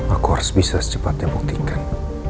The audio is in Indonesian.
aku harus bisa secepatnya buktikan